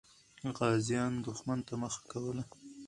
غازیان دښمن ته مخه کوله.